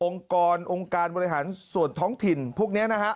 องค์กรองค์การบริหารส่วนท้องถิ่นพวกนี้นะฮะ